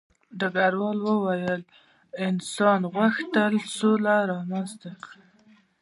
ډګروال وویل انسان غوښتل سوله رامنځته کړي